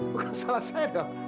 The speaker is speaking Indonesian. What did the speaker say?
bukan salah saya dong